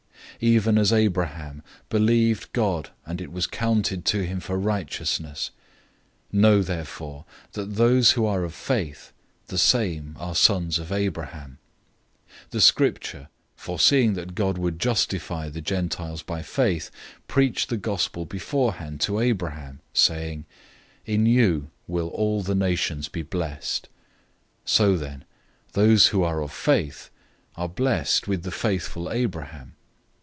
003:006 Even as Abraham "believed God, and it was counted to him for righteousness." 003:007 Know therefore that those who are of faith, the same are children of Abraham. 003:008 The Scripture, foreseeing that God would justify the Gentiles by faith, preached the Good News beforehand to Abraham, saying, "In you all the nations will be blessed."{Genesis 12:3; 18:18; 22:18} 003:009 So then, those who are of faith are blessed with the faithful Abraham.